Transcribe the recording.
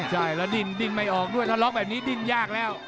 ใช่แล้วดิ้นดิ้งไม่ออกด้วยถ้าล็อกแบบนี้ดิ้นยากแล้ว